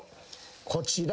こちら。